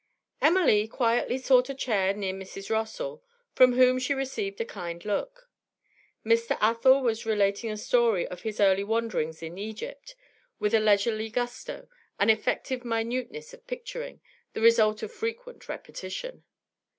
Emily quietly sought a chair near Mrs. Rossall, from whom she received a kind look. Mr. Athel was relating a story of his early wanderings in Egypt, with a leisurely gusto, an effective minuteness of picturing, the result of frequent repetition.